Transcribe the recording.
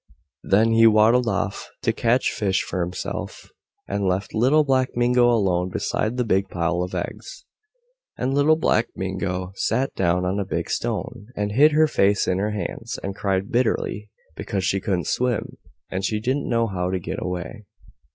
Then he waddled off to catch fish for himself, and left Little Black Mingo alone beside the big pile of eggs. And Little Black Mingo sat down on a big stone and hid her face in her hands, and cried bitterly, because she couldn't swim and she didn't know how to get away.